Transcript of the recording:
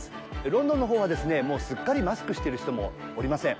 ロンドンのほうはですね、もうすっかりマスクしている人もおりません。